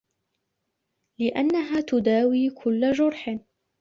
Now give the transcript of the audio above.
لِأَنَّهَا تُدَاوِي كُلَّ جُرْحٍ